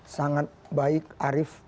sangat baik arif